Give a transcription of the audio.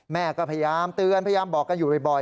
แม่ก็พยายามเตือนพยายามบอกกันอยู่บ่อย